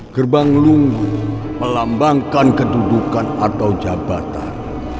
gerbang lungguh melambangkan ketudukan atau jabatan